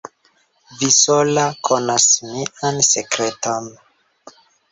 Vi sola konas mian sekreton.